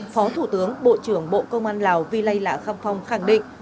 phó thủ tướng bộ trưởng bộ công an lào vi lây lạ kham phong khẳng định